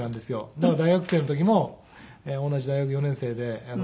だから大学生の時も同じ大学４年生で選抜に選ばれて